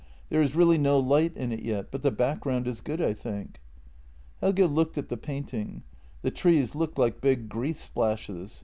There is really no light in it yet, but the background is good, I think." Helge looked at the painting; the trees looked like big grease splashes.